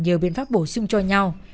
nhiều biện pháp bổ sung cho nhau